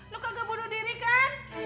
lo kagak bunuh diri kan